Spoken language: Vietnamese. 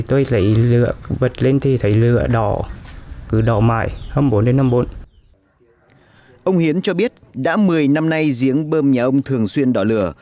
ông hiến cho biết đã một mươi năm nay giếng bơm nhà ông thường xuyên đỏ lửa